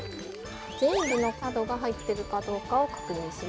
全部の角が入ってるかどうかを確認します